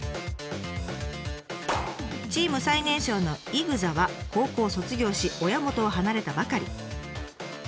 チーム最年少のＩＸＡは高校を卒業し親元を離れたばかり。